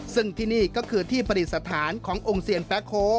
ซึ่งที่นี่ก็คือที่ประดิษฐานขององค์เซียนแป๊โค